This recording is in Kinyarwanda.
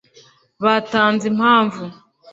batanze impamvu